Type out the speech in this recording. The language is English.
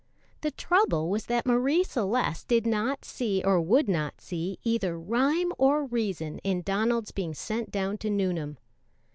The trouble was that Marie Celeste did not see or would not see either rhyme or reason in Donald's being sent down to Nuneham.